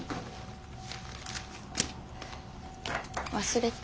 忘れて。